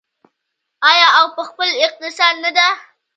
آیا او په خپل اقتصاد نه ده؟